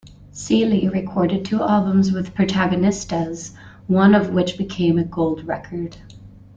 Sealey recorded two albums with "Protagonistas", one of which became a Gold Record.